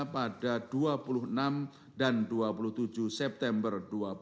pada dua puluh enam dan dua puluh tujuh september dua ribu dua puluh